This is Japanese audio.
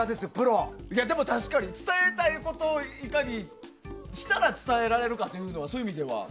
確かに伝えたいことをいかにしたら伝えられるかという意味では。